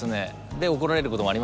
で怒られることもありましたよ。